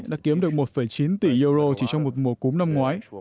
đã kiếm được một chín tỷ euro chỉ trong một mùa cúm năm ngoái